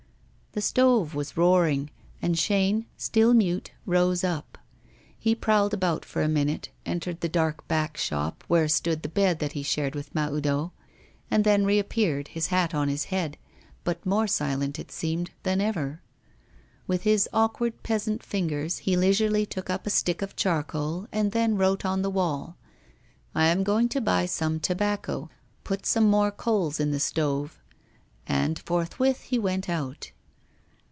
The stove was roaring, and Chaîne, still mute, rose up. He prowled about for a minute, entered the dark back shop, where stood the bed that he shared with Mahoudeau, and then reappeared, his hat on his head, but more silent, it seemed, than ever. With his awkward peasant fingers he leisurely took up a stick of charcoal and then wrote on the wall: 'I am going to buy some tobacco; put some more coals in the stove.' And forthwith he went out.